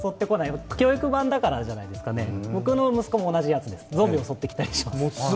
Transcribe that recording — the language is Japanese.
教育版だからじゃないですかね、僕の息子も同じやつです、ゾンビが襲ってきたりします。